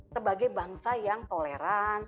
sebagai bangsa yang toleran